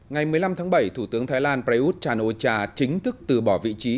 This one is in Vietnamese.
ngày một mươi năm tháng bảy thủ tướng thái lan prayuth chan o cha chính thức từ bỏ vị trí